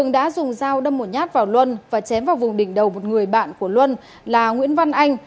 đã dùng dao đâm một nhát vào luân và chém vào vùng đỉnh đầu một người bạn của luân là nguyễn văn anh